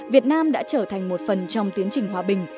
việt nam đã trở thành một phần trong tiến trình hòa bình